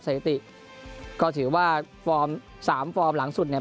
สถิติก็ถือว่าฟอร์มสามฟอร์มหลังสุดเนี่ย